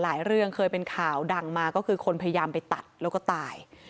เรื่องเคยเป็นข่าวดังมาก็คือคนพยายามไปตัดแล้วก็ตาย